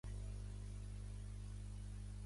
El nom és Kai: ca, a, i.